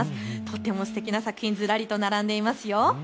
とてもすてきな作品ずらりと並んでいますよ。